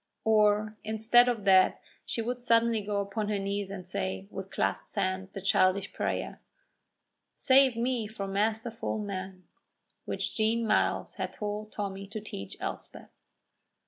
Or instead of that she would suddenly go upon her knees and say, with clasped hands, the childish prayer, "Save me from masterful men," which Jean Myles had told Tommy to teach Elspeth.